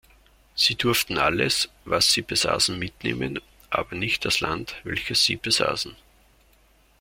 Sie durften alles, was sie besaßen mitnehmen, aber nicht das Land, welches sie besaßen.